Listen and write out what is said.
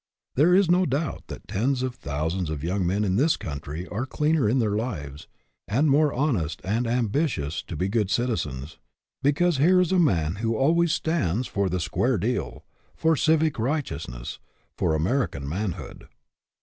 There is no doubt that tens of thou sands of young men in this country are cleaner in their lives, and more honest and ambitious to be good citizens, because here is a man who always stands for the " square deal," for civic righteousness, for American manhood.